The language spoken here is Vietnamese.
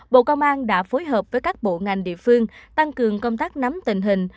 bộ công an đã phối hợp với các bộ ngành địa phương tăng cường công tác nắm tình hình